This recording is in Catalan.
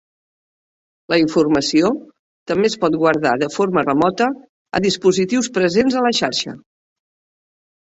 La informació també es pot guardar de forma remota a dispositius presents a la xarxa.